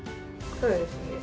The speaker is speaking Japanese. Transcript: そうですね。